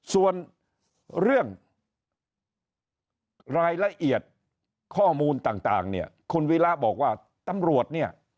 ส่วนเรื่องรายละเอียดข้อมูลต่างเนี่ยคุณวิระบอกว่าตำรวจเนี่ย